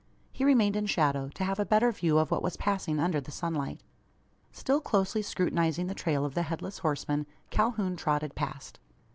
He remained in shadow, to have a better view of what was passing under the sunlight. Still closely scrutinising the trail of the Headless Horseman, Calhoun trotted past.